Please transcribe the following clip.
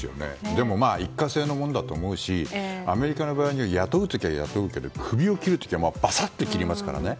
でも一過性のものだと思うしアメリカの場合には雇う時には雇うけれども首を切る時はバサッて切りますからね。